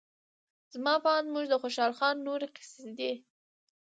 زما په اند موږ د خوشال خان نورې قصیدې